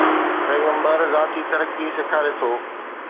پيغمبر ذاتي ترقي سيکاري ٿو.